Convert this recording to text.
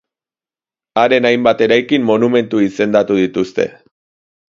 Haren hainbat eraikin monumentu izendatu dituzte.